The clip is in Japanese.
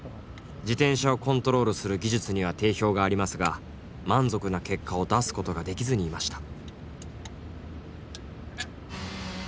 自転車をコントロールする技術には定評がありますが満足な結果を出すことができずにいました。